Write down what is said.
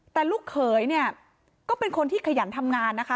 แต่ลูกเขยเนี่ยก็เป็นคนที่ขยันทำงานนะคะ